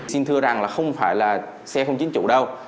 xin thưa rằng là không phải là xe không chính chủ đâu